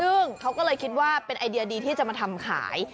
ซึ่งเขาก็เลยคิดว่าเป็นไอเดียดีที่จะมาทำขาย